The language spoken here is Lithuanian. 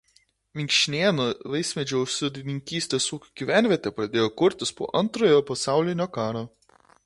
Vinkšnėnų vaismedžių sodininkystės ūkio gyvenvietė pradėjo kurtis po Antrojo pasaulinio karo.